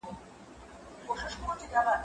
خبري د مور له خوا اورېدلي کيږي!؟